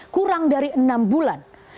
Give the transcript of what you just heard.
kurang dari enam bulan